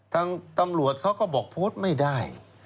ทางตำรวจเขาก็บอกโพสต์ไม่ได้